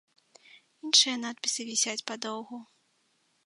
Іншыя надпісы вісяць падоўгу.